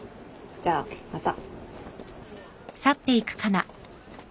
じゃあまた。